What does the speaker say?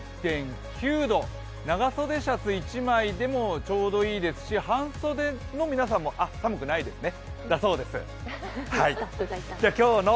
長袖シャツ１枚でもちょうどいいですし、半袖の皆さんも、寒くないそうです